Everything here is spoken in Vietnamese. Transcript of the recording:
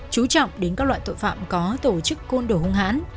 chú trọng đến các loại tội phạm có tổ chức côn đồ hung hãn